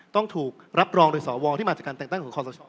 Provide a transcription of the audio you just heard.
ต้องถูกรับรองโดยสวที่มาจากการแต่งตั้งของคอสช